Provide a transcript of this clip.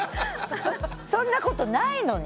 そんなことないのに。